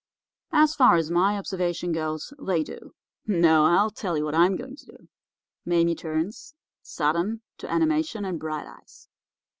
"'As far as my observation goes, they do. No, I'll tell you what I'm going to do.' Mame turns, sudden, to animation and bright eyes.